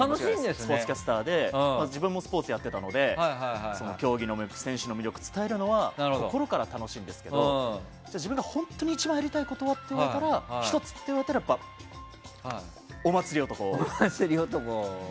スポーツキャスターで自分もスポーツやっていたので競技の魅力選手の魅力を伝えるのは心から楽しいんですけど自分が本当に一番やりたいこと、１つは？と言われたらお祭り男。